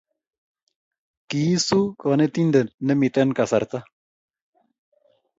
Kiisu konetinte ne miten kasarta.